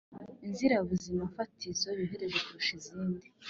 Akeneye ingirabuzimafatizo yoroheje kurusha izindi